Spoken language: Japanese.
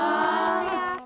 やった！